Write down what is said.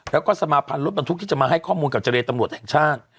แล้วก็สมาพันธ์รถบรรทุกที่จะมาให้ข้อมูลกับเจรตำรวจแห่งชาติ